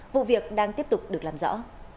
vụ việc đang tiếp tục được làm rõ